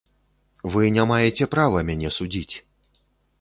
Вы не маеце права мяне судзіць.